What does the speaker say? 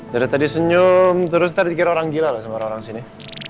dari tadi senyum terus ngeritik orang gila loh sama orang orang sini